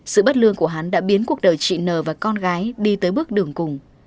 sự bất lương của hắn đã biến cuộc đời chị n và con gái đi tới bước đường cùng